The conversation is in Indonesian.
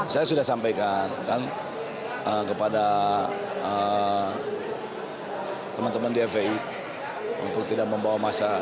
saya sudah sampaikan kepada teman teman di fpi untuk tidak membawa masa